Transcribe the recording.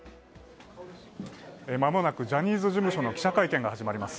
間もなくジャニーズ事務所の記者会見が始まります。